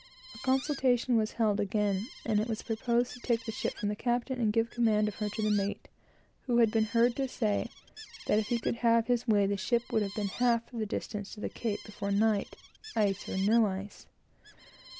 A consultation was held again, and it was proposed to take the ship from the captain and give the command of her to the mate, who had been heard to say that, if he could have his way, the ship would have been half the distance to the Cape before night, ice or no ice.